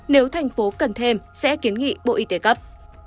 nếu thành phố cần thêm sẽ kiến nghị bộ y tế cấp